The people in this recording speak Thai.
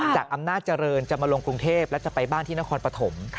จากอำนาจเจริญจะมาลงกรุงเทพและจะไปบ้านที่นครปฐม